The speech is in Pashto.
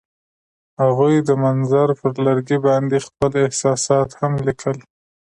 هغوی د منظر پر لرګي باندې خپل احساسات هم لیکل.